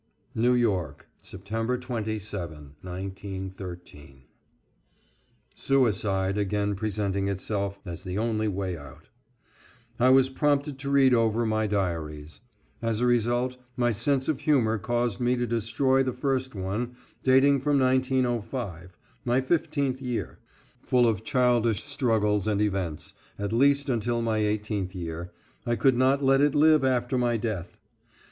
=New York, September 27, 1913.= Suicide again presenting itself as the only way out, I was prompted to read over my diaries. As a result my sense of humor caused me to destroy the first one, dating from 1905, my fifteenth year. Full of childish struggles and events, at least until my eighteenth year, I could not let it live after my death.